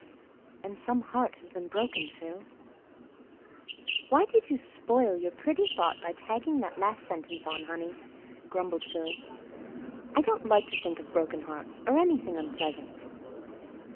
And some heart has been broken, Phil." "Why did you spoil your pretty thought by tagging that last sentence on, honey?" grumbled Phil. "I don't like to think of broken hearts—or anything unpleasant."